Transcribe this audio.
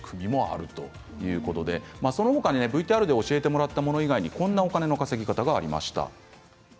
その他にＶＴＲで教えてくれたもの以外にこんな稼ぎ方もありました。